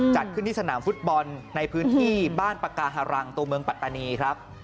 จัดขึ้นที่สนามฟุตบอลในพื้นที่บ้านปากาหารังตัวเมืองปัตตานีครับ